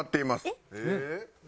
えっ！